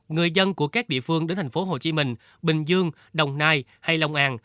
người dân của các địa phương đến thành phố hồ chí minh bình dương đồng nai hay long an